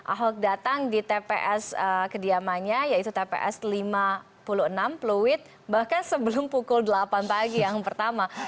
ahok datang di tps kediamannya yaitu tps lima puluh enam pluit bahkan sebelum pukul delapan pagi yang pertama